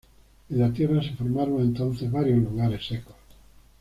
En la Tierra se formaron entonces varios lugares secos.